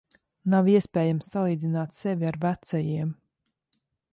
Nav iespējams salīdzināt sevi ar vecajiem.